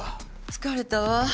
疲れたわ。